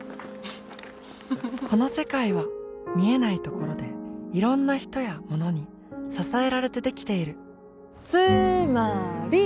この世界は見えないところでいろんな人やものに支えられてできているつーまーり！